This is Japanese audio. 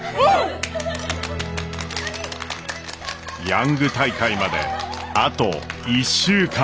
ヤング大会まであと１週間。